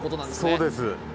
そうです。